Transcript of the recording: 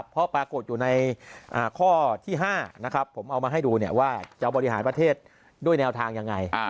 เพราะปรากฏอยู่ในข้อที่๕นะครับผมเอามาให้ดูว่าจะบริหารประเทศด้วยแนวทางยังไง